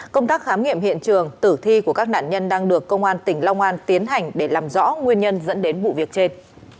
công tác khám nghiệm hiện trường tử thi của các nạn nhân đang được công an tỉnh long an tiến hành để làm rõ nguyên nhân dẫn đến vụ việc trên